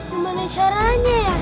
gimana caranya ya